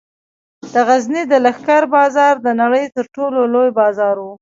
د غزني د لښکر بازار د نړۍ تر ټولو لوی بازار و